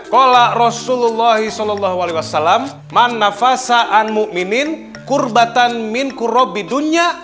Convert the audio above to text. qala rasulullahi saw man nafasa'an mu'minin kurbatan min kurobi dunya